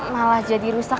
malah jadi rusak